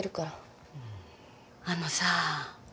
あのさ。